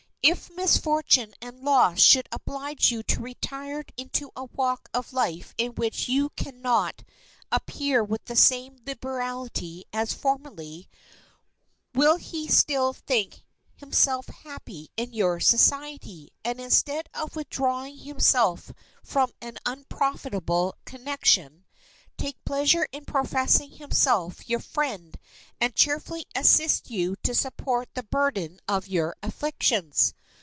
If misfortune and loss should oblige you to retire into a walk of life in which you can not appear with the same liberality as formerly, will he still think himself happy in your society, and instead of withdrawing himself from an unprofitable connection, take pleasure in professing himself your friend, and cheerfully assist you to support the burden of your afflictions?